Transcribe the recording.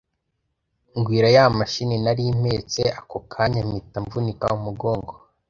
ngwira ya machine nari mpetse ako kanya mpita mvunika umugongo,